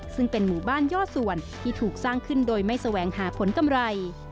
ซึ่งเป็นหมู่บ้านย่อส่วนที่ถูกสร้างขึ้นโดยไม่แสวงหาผลกำไร